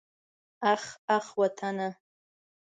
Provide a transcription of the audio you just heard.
اخ اخ وطنه.